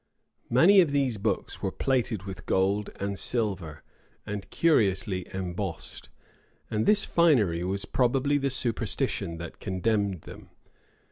Many of these books were plated with gold and silver, and curiously embossed; and this finery was probably the superstition that condemned them.